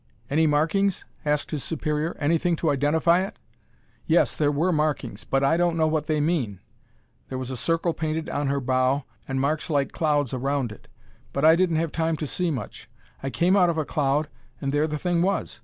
"Any markings?" asked his superior. "Anything to identify it?" "Yes, there were markings, but I don't know what they mean. There was a circle painted on her bow and marks like clouds around it, but I didn't have time to see much. I came out of a cloud, and there the thing was.